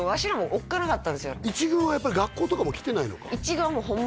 １軍はやっぱり学校とかも来てないのか？